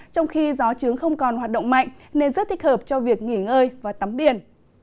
trong khi gió trướng không còn hoạt động mạnh nên rất thích hợp cho việc nghỉ ngơi và tắm biển